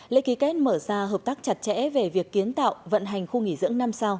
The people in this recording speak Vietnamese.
lễ ký kết mở ra hợp tác chặt chẽ về việc kiến tạo vận hành khu nghỉ dưỡng năm sao